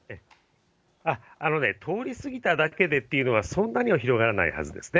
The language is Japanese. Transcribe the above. あのね、通り過ぎただけでっていうのは、そんなには広がらないはずですね。